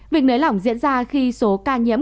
việc nới lỏng diễn ra khi số ca nhiễm